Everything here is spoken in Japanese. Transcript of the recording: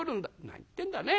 「何言ってんだね。